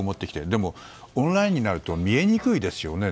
でもオンラインになると見えにくいですよね。